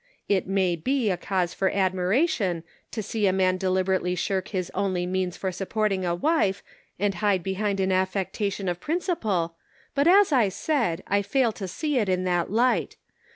It may be a cause for ad miration, to see a man deliberately shirk his only means for supporting a wife, and hide be hind an affectation of principle, but as I said, I fail to see it in that light.